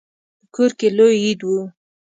په کور کې لوی عید و.